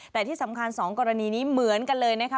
แต่ที่สำคัญ๒กรณีนี้เหมือนกันเลยนะคะ